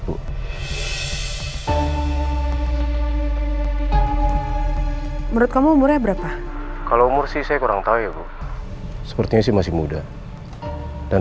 bu menurut kamu umurnya berapa kalau umur sih saya kurang tahu ya bu sepertinya sih masih muda dan